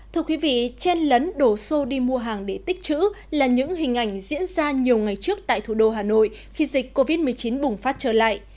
thưa quý vị chen lấn đổ xô đi mua hàng để tích chữ là những hình ảnh diễn ra nhiều ngày trước tại thủ đô hà nội khi dịch covid một mươi chín bùng phát trở lại